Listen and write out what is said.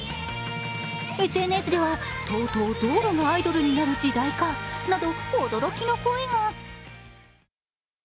ＳＮＳでは、とうとう道路がアイドルになる時代かと驚きの声が。